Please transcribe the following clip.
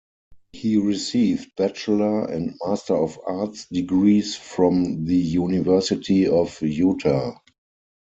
He received Bachelor and Master of Arts degrees from the University of Utah.